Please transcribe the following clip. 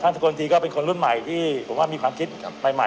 สกลทีก็เป็นคนรุ่นใหม่ที่ผมว่ามีความคิดใหม่